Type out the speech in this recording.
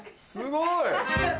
すごい。